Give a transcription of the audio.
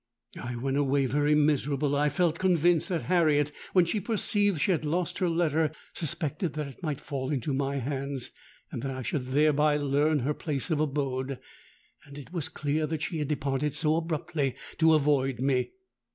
"I went away, very miserable. I felt convinced that Harriet, when she perceived she had lost her letter, suspected that it might fall into my hands, and that I should thereby learn her place of abode. And it was clear that she had departed so abruptly to avoid me!